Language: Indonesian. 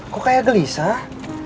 kok kayak gelisah